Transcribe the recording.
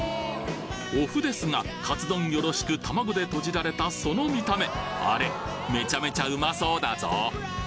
お麩ですがカツ丼よろしく卵でとじられたその見た目あれめちゃめちゃうまそうだぞ！